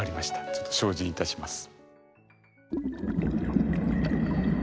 ちょっと精進いたします。